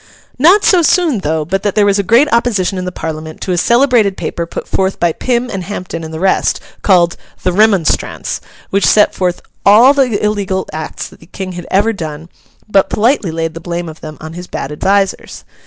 Not so soon, though, but that there was a great opposition in the Parliament to a celebrated paper put forth by Pym and Hampden and the rest, called 'The Remonstrance,' which set forth all the illegal acts that the King had ever done, but politely laid the blame of them on his bad advisers.